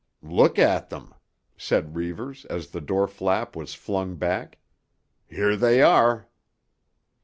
"Look at them," said Reivers as the door flap was flung back. "Here they are."